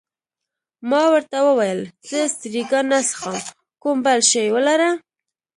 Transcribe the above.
ما ورته وویل: زه سټریګا نه څښم، کوم بل شی ولره.